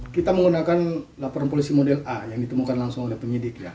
kita menggunakan laporan polisi model a yang ditemukan langsung oleh penyidik ya